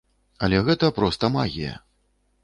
Але гэта проста магія.